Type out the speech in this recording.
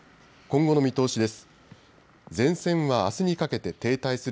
今後の見通しです。